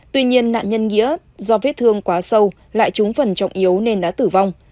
tuy nhiên nạn nhân nghĩa do vết thương quá sâu lại trúng phần trọng yếu nên đã tử vong